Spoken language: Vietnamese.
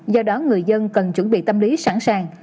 do đó người dân cần chuẩn bị tâm lý sẵn sàng